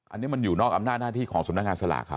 อันนี้มันอยู่นอกอำนาจหน้าที่ของสำนักงานสลากเขา